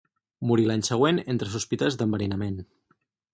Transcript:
Morí l'any següent entre sospites d'enverinament.